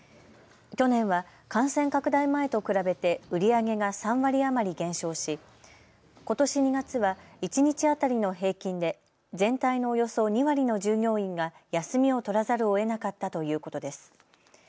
去年は感染拡大前と比べて売り上げが３割余り減少しことし２月は一日当たりの平均で全体のおよそ２割の従業員が休みを取らざるをえなかったということです。